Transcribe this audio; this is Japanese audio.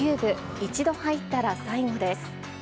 一度入ったら、最後です。